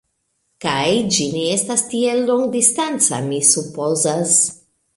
Kaj, ĝi ne estas tiel longdistanca, mi supozas.